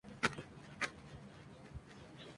Tras dos temporadas más, se retiró del baloncesto.